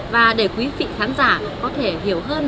và để quý vị khán giả có thể hiểu hơn